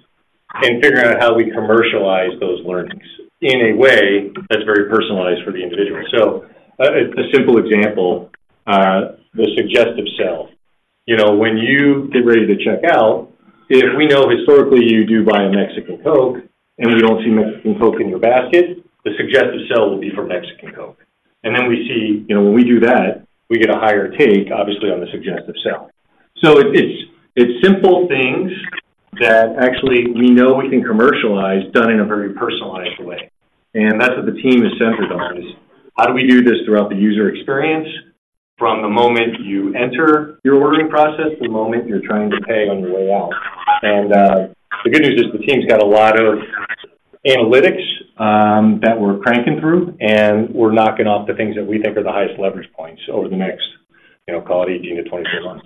and figuring out how we commercialize those learnings in a way that's very personalized for the individual. So a simple example, the suggestive sell. You know, when you get ready to check out, if we know historically you do buy a Mexican Coke and we don't see Mexican Coke in your basket, the suggestive sell will be for Mexican Coke. And then we see, you know, when we do that, we get a higher take, obviously, on the suggestive sell. So it's simple things that actually we know we can commercialize, done in a very personalized way. That's what the team is centered on: How do we do this throughout the user experience, from the moment you enter your ordering process to the moment you're trying to pay on your way out? The good news is the team's got a lot of analytics that we're cranking through, and we're knocking off the things that we think are the highest leverage points over the next, you know, call it 18-24 months.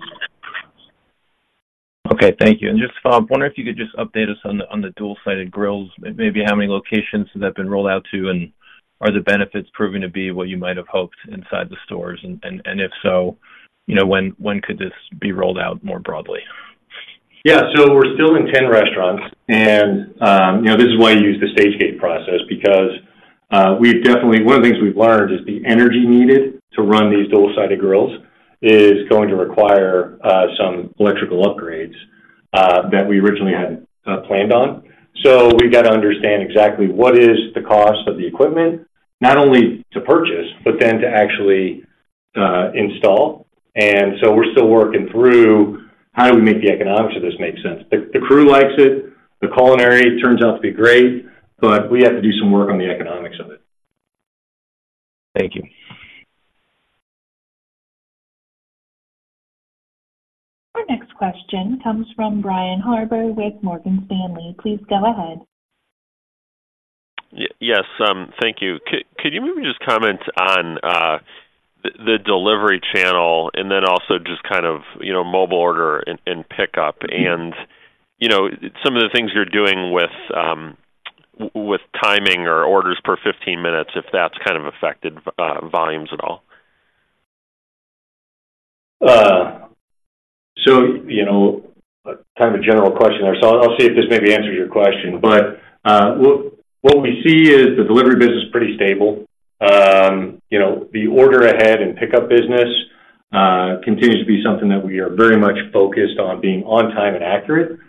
Okay. Thank you. I wonder if you could just update us on the dual-sided grills, maybe how many locations have that been rolled out to, and are the benefits proving to be what you might have hoped inside the stores? If so, you know, when could this be rolled out more broadly? Yeah. So we're still in 10 restaurants, and, you know, this is why you use the stage-gate process, because we've definitely... One of the things we've learned is the energy needed to run these dual-sided grills is going to require some electrical upgrades that we originally hadn't planned on. So we've got to understand exactly what is the cost of the equipment, not only to purchase, but then to actually install. And so we're still working through how do we make the economics of this make sense. The crew likes it, the culinary turns out to be great, but we have to do some work on the economics of it. Thank you. Our next question comes from Brian Harbour with Morgan Stanley. Please go ahead. Yes, thank you. Could you maybe just comment on the delivery channel and then also just kind of, you know, mobile order and pickup and, you know, some of the things you're doing with timing or orders per 15 minutes, if that's kind of affected volumes at all? So, you know, kind of a general question there. So I'll see if this maybe answers your question. But what we see is the delivery business is pretty stable. You know, the order ahead and pickup business continues to be something that we are very much focused on being on time and accurate.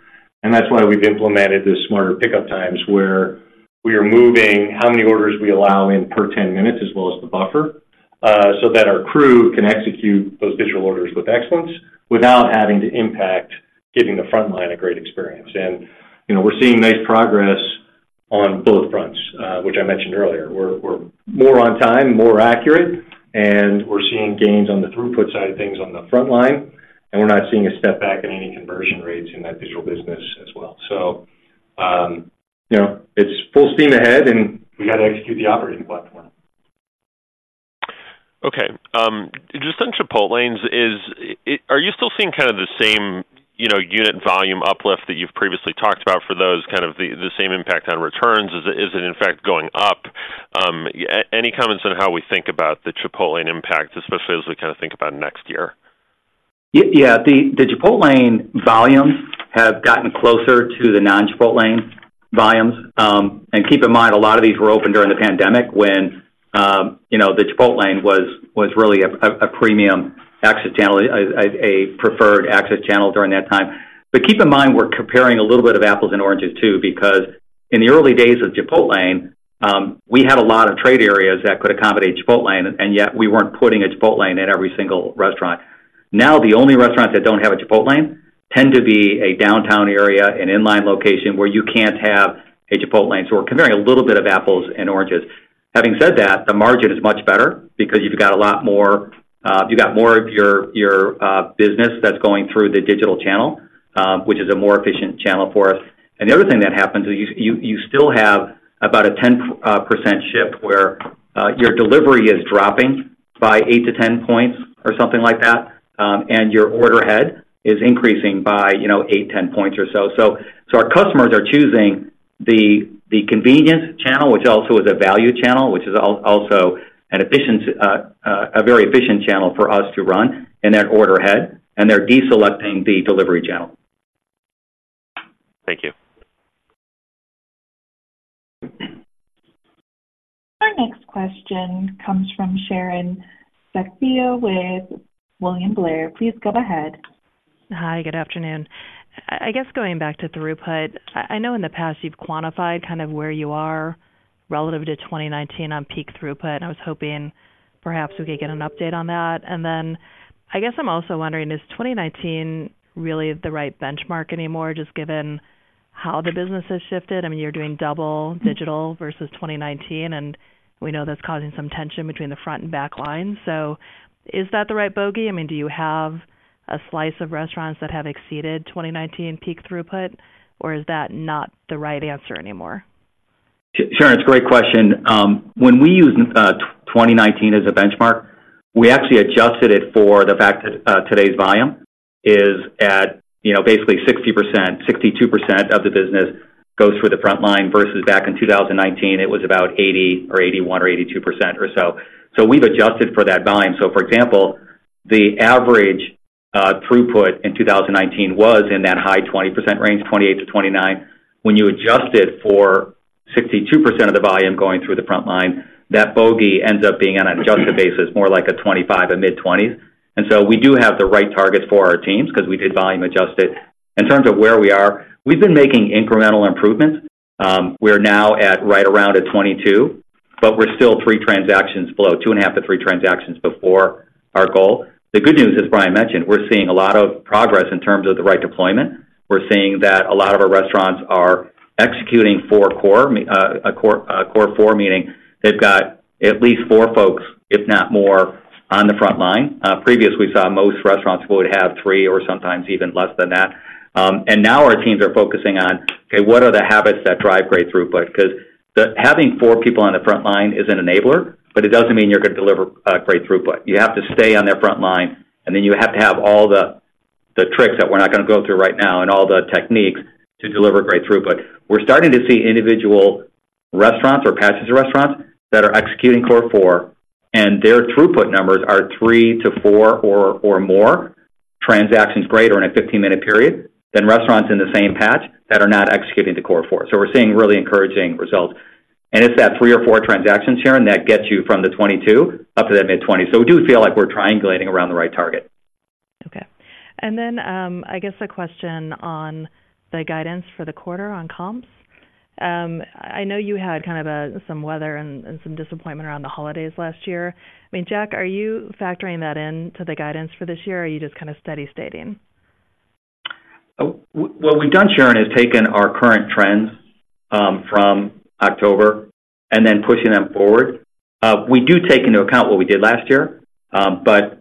And that's why we've implemented the Smarter Pickup Times, where we are moving how many orders we allow in per 10 minutes, as well as the buffer, so that our crew can execute those digital orders with excellence without having to impact giving the frontline a great experience. And, you know, we're seeing nice progress on both fronts, which I mentioned earlier. We're more on time, more accurate, and we're seeing gains on the throughput side of things on the frontline, and we're not seeing a step back in any conversion rates in that digital business as well. So, you know, it's full steam ahead, and we got to execute the operating platform. Okay. Just on Chipotlanes, are you still seeing kind of the same, you know, unit volume uplift that you've previously talked about for those, kind of the same impact on returns? Is it in fact going up? Any comments on how we think about the Chipotlane impact, especially as we kind of think about next year? Yeah, the Chipotlane volumes have gotten closer to the non-Chipotlane volumes. And keep in mind, a lot of these were open during the pandemic when, you know, the Chipotlane was really a premium access channel, a preferred access channel during that time. But keep in mind, we're comparing a little bit of apples and oranges, too, because in the early days of Chipotlane, we had a lot of trade areas that could accommodate Chipotlane, and yet we weren't putting a Chipotlane in every single restaurant. Now, the only restaurants that don't have a Chipotlane tend to be a downtown area, an in-line location where you can't have a Chipotlane. So we're comparing a little bit of apples and oranges. Having said that, the margin is much better because you've got a lot more, you've got more of your, your business that's going through the digital channel, which is a more efficient channel for us. The other thing that happens is you still have about a 10% shift, where your delivery is dropping by eight to 10 points or something like that, and your order ahead is increasing by, you know, eight to 10 points or so. Our customers are choosing the convenience channel, which also is a value channel, which is also an efficient, a very efficient channel for us to run in that order ahead, and they're deselecting the delivery channel. Thank you. Our next question comes from Sharon Zackfia with William Blair. Please go ahead. Hi, good afternoon. I guess going back to throughput, I know in the past you've quantified kind of where you are relative to 2019 on peak throughput, and I was hoping perhaps we could get an update on that. And then I guess I'm also wondering, is 2019 really the right benchmark anymore, just given how the business has shifted? I mean, you're doing double digital versus 2019, and we know that's causing some tension between the front and back lines. So is that the right bogey? I mean, do you have a slice of restaurants that have exceeded 2019 peak throughput, or is that not the right answer anymore? Sharon, it's a great question. When we use 2019 as a benchmark, we actually adjusted it for the fact that today's volume is at, you know, basically 60%. 62% of the business goes through the frontline, versus back in 2019, it was about 80% or 81% or 82% or so. So we've adjusted for that volume. So for example, the average throughput in 2019 was in that high 20% range, 28%-29%. When you adjust it for 62% of the volume going through the frontline, that bogey ends up being, on an adjusted basis, more like 25 to mid-20s. And so we do have the right targets for our teams because we did volume adjust it. In terms of where we are, we've been making incremental improvements. We're now at right around 22, but we're still thre transactions below, 2.5-three transactions before our goal. The good news, as Brian mentioned, we're seeing a lot of progress in terms of the right deployment. We're seeing that a lot of our restaurants are executing four core, Core Four, meaning they've got at least four folks, if not more, on the front line. Previously, we saw most restaurants would have three or sometimes even less than that. And now our teams are focusing on, okay, what are the habits that drive great throughput? Because having four people on the front line is an enabler, but it doesn't mean you're going to deliver great throughput. You have to stay on their front line, and then you have to have all the tricks that we're not going to go through right now, and all the techniques to deliver great throughput. We're starting to see individual restaurants or patches of restaurants that are executing Core Four, and their throughput numbers are three to four or more transactions greater in a 15-minute period than restaurants in the same patch that are not executing the Core Four. So we're seeing really encouraging results. And it's that three or four transactions, Sharon, that gets you from the 22 up to the mid-20s. So we do feel like we're triangulating around the right target. Okay. Then, I guess a question on the guidance for the quarter on comps. I know you had kind of some weather and some disappointment around the holidays last year. I mean, Jack, are you factoring that in to the guidance for this year, or are you just kind of steady stating? What we've done, Sharon, is taken our current trends from October, and then pushing them forward. We do take into account what we did last year, but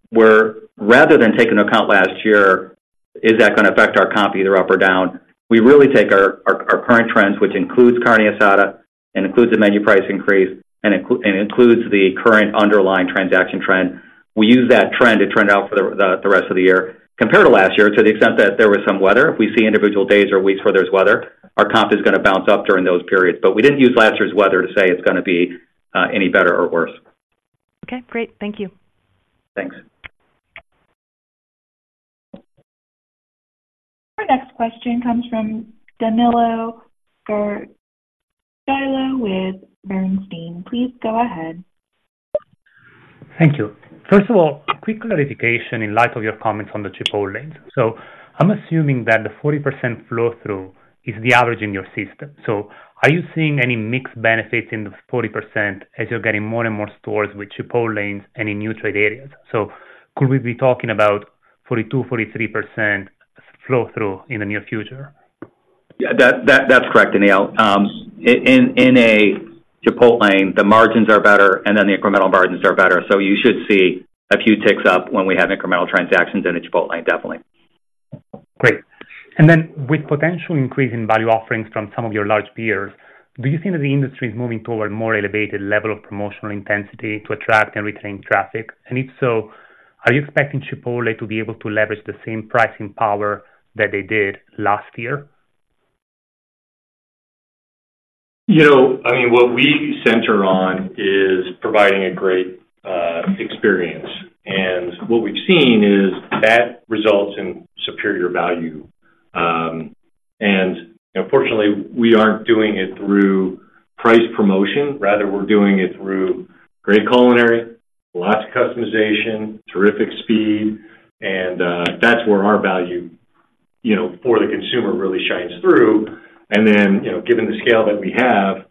rather than taking into account last year, is that gonna affect our comp either up or down? We really take our current trends, which includes Carne Asada, and includes the menu price increase, and includes the current underlying transaction trend. We use that trend to trend out for the rest of the year. Compared to last year, to the extent that there was some weather, if we see individual days or weeks where there's weather, our comp is gonna bounce up during those periods. But we didn't use last year's weather to say it's gonna be any better or worse. Okay, great. Thank you. Thanks. Our next question comes from Danilo Gargiulo with Bernstein. Please go ahead. Thank you. First of all, a quick clarification in light of your comments on the Chipotlane. So I'm assuming that the 40% flow-through is the average in your system. So are you seeing any mixed benefits in the 40% as you're getting more and more stores with Chipotlanes and in new trade areas? So could we be talking about 42%, 43% flow-through in the near future? Yeah, that, that, that's correct, Danilo. In a Chipotlane, the margins are better, and then the incremental margins are better, so you should see a few ticks up when we have incremental transactions in a Chipotlane, definitely. Great. And then, with potential increase in value offerings from some of your large peers, do you think that the industry is moving toward a more elevated level of promotional intensity to attract and retain traffic? And if so, are you expecting Chipotle to be able to leverage the same pricing power that they did last year? You know, I mean, what we center on is providing a great experience, and what we've seen is that results in superior value. And fortunately, we aren't doing it through price promotion, rather, we're doing it through great culinary, lots of customization, terrific speed, and that's where our value, you know, for the consumer really shines through. And then, you know, given the scale that we have,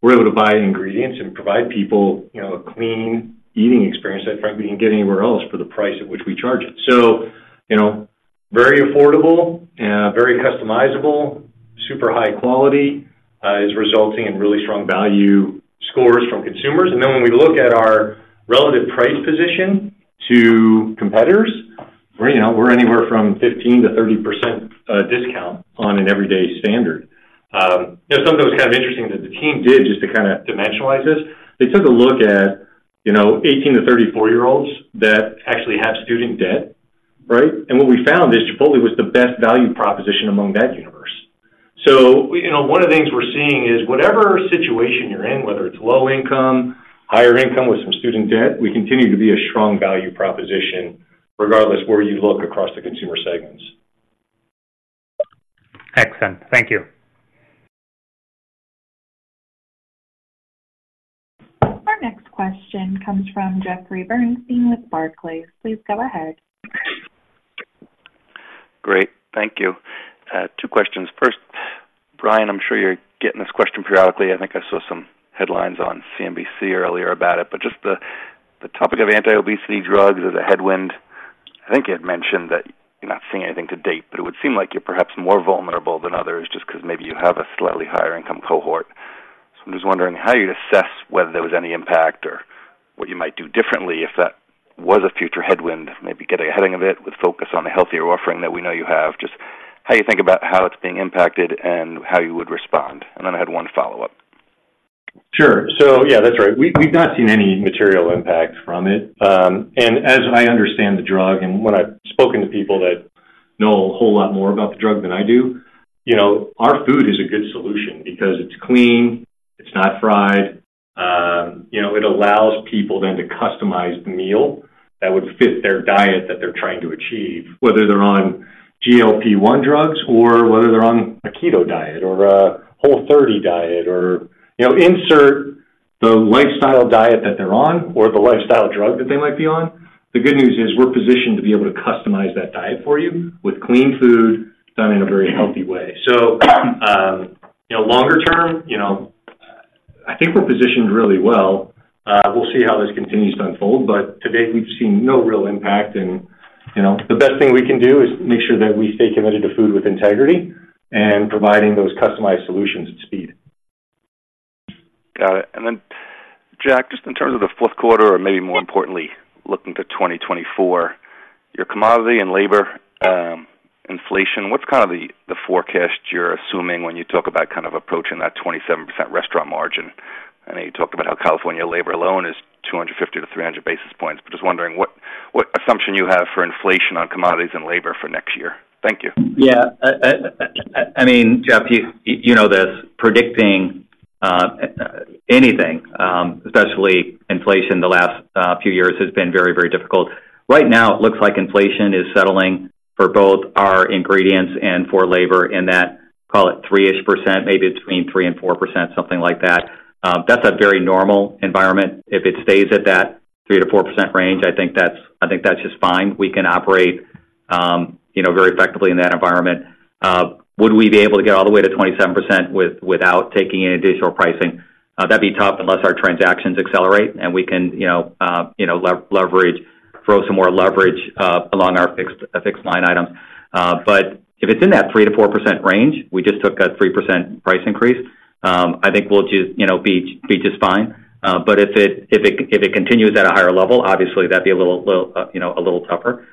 we're able to buy ingredients and provide people, you know, a clean eating experience that frankly, you can't get anywhere else for the price at which we charge it. So, you know, very affordable and very customizable, super high quality is resulting in really strong value scores from consumers. And then when we look at our relative price position to competitors, we're, you know, we're anywhere from 15%-30% discount on an everyday standard. You know, something that was kind of interesting that the team did, just to kind of dimensionalize this, they took a look at, you know, 18- to 34-year-olds that actually have student debt, right? And what we found is Chipotle was the best value proposition among that universe. So, you know, one of the things we're seeing is, whatever situation you're in, whether it's low income, higher income with some student debt, we continue to be a strong value proposition regardless of where you look across the consumer segments. Excellent. Thank you. Our next question comes from Jeffrey Bernstein with Barclays. Please go ahead. Great. Thank you. Two questions. First, Brian, I'm sure you're getting this question periodically. I think I saw some headlines on CNBC earlier about it, but just the topic of anti-obesity drugs as a headwind. I think you had mentioned that you're not seeing anything to date, but it would seem like you're perhaps more vulnerable than others just 'cause maybe you have a slightly higher income cohort. So I'm just wondering how you'd assess whether there was any impact or what you might do differently if that was a future headwind, maybe get ahead of it with focus on the healthier offering that we know you have. Just how you think about how it's being impacted and how you would respond. And then I had one follow-up. Sure. Yeah, that's right. We've not seen any material impact from it. As I understand the drug, and when I've spoken to people that know a whole lot more about the drug than I do, you know, our food is a good solution because it's clean, it's not fried. You know, it allows people then to customize the meal that would fit their diet that they're trying to achieve, whether they're on GLP-1 drugs or whether they're on a keto diet or a Whole30 diet or, you know, insert the lifestyle diet that they're on or the lifestyle drug that they might be on. The good news is we're positioned to be able to customize that diet for you with clean food, done in a very healthy way. You know, longer term, I think we're positioned really well. We'll see how this continues to unfold, but to date, we've seen no real impact. You know, the best thing we can do is make sure that we stay committed to Food with Integrity and providing those customized solutions at speed. Got it. And then, Jack, just in terms of the fourth quarter, or maybe more importantly, looking to 2024, your commodity and labor inflation, what's kind of the forecast you're assuming when you talk about kind of approaching that 27% restaurant margin? I know you talked about how California labor alone is 250-300 basis points, but just wondering what assumption you have for inflation on commodities and labor for next year. Thank you. Yeah. I mean, Jeff, you know this, predicting anything, especially inflation the last few years, has been very, very difficult. Right now, it looks like inflation is settling for both our ingredients and for labor in that, call it 3%-ish, maybe between 3% and 4%, something like that. That's a very normal environment. If it stays at that 3%-4% range, I think that's, I think that's just fine. We can operate, you know, very effectively in that environment.... Would we be able to get all the way to 27% without taking any additional pricing? That'd be tough unless our transactions accelerate, and we can, you know, you know, leverage, throw some more leverage along our fixed line item. But if it's in that 3%-4% range, we just took a 3% price increase. I think we'll just, you know, be just fine. But if it continues at a higher level, obviously, that'd be a little, you know, a little tougher.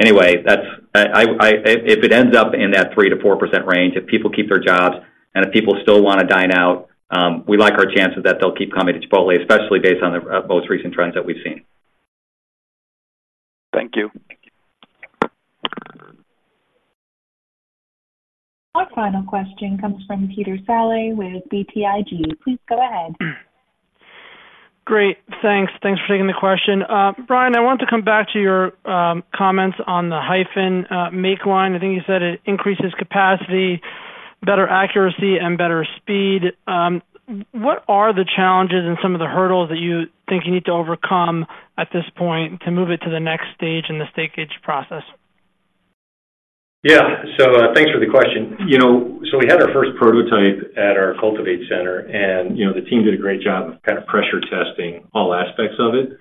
Anyway, that's if it ends up in that 3%-4% range, if people keep their jobs and if people still wanna dine out, we like our chances that they'll keep coming to Chipotle, especially based on the most recent trends that we've seen. Thank you. Our final question comes from Peter Saleh with BTIG. Please go ahead. Great, thanks. Thanks for taking the question. Brian, I want to come back to your comments on the Hyphen make line. I think you said it increases capacity, better accuracy, and better speed. What are the challenges and some of the hurdles that you think you need to overcome at this point to move it to the next stage in the stage-gate process? Yeah. So, thanks for the question. You know, so we had our first prototype at our Cultivate Center, and, you know, the team did a great job of kind of pressure testing all aspects of it.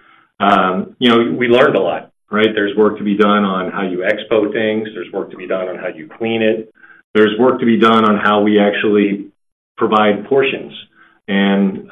You know, we learned a lot, right? There's work to be done on how you expo things. There's work to be done on how you clean it. There's work to be done on how we actually provide portions. And,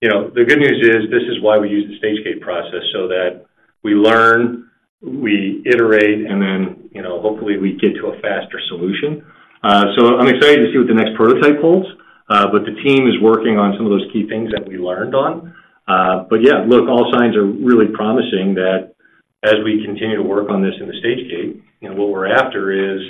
you know, the good news is, this is why we use the stage-gate process, so that we learn, we iterate, and then, you know, hopefully, we get to a faster solution. So I'm excited to see what the next prototype holds, but the team is working on some of those key things that we learned on. But yeah, look, all signs are really promising that as we continue to work on this in the stage-gate, you know, what we're after is,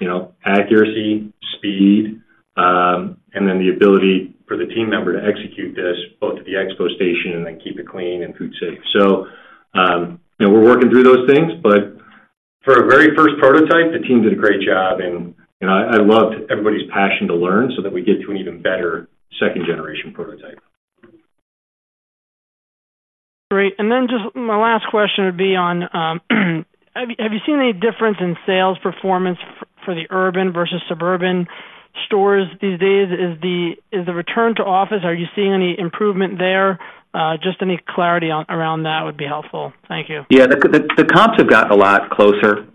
you know, accuracy, speed, and then the ability for the team member to execute this, both at the expo station and then keep it clean and food safe. So, you know, we're working through those things, but for a very first prototype, the team did a great job, and, you know, I loved everybody's passion to learn so that we get to an even better second-generation prototype. Great. Just my last question would be, have you seen any difference in sales performance for the urban versus suburban stores these days? Is the return to office, are you seeing any improvement there? Just any clarity around that would be helpful. Thank you. Yeah, the comps have gotten a lot closer.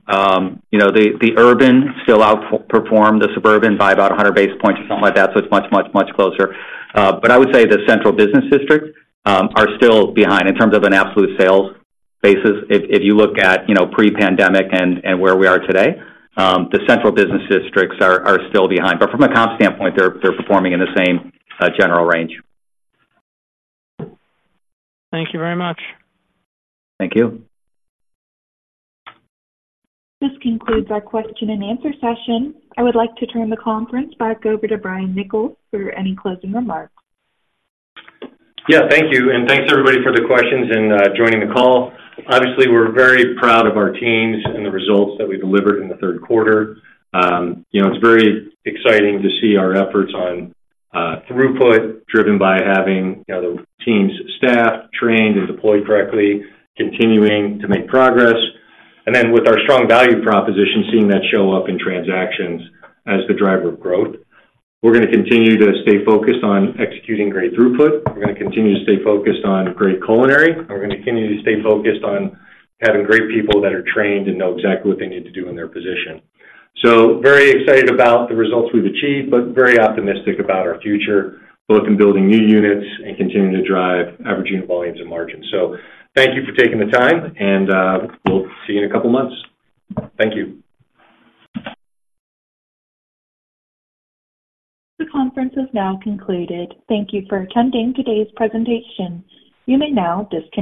You know, the urban still outperformed the suburban by about 100 basis points or something like that, so it's much, much, much closer. But I would say the central business district are still behind in terms of an absolute sales basis. If you look at, you know, pre-pandemic and where we are today, the central business districts are still behind. But from a comp standpoint, they're performing in the same general range. Thank you very much. Thank you. This concludes our question-and-answer session. I would like to turn the conference back over to Brian Niccol for any closing remarks. Yeah, thank you, and thanks, everybody, for the questions and joining the call. Obviously, we're very proud of our teams and the results that we delivered in the third quarter. You know, it's very exciting to see our efforts on throughput, driven by having, you know, the team's staff trained and deployed correctly, continuing to make progress. And then, with our strong value proposition, seeing that show up in transactions as the driver of growth. We're gonna continue to stay focused on executing great throughput. We're gonna continue to stay focused on great culinary, and we're gonna continue to stay focused on having great people that are trained and know exactly what they need to do in their position. So very excited about the results we've achieved, but very optimistic about our future, both in building new units and continuing to drive average unit volumes and margins. Thank you for taking the time, and we'll see you in a couple of months. Thank you. The conference is now concluded. Thank you for attending today's presentation. You may now disconnect.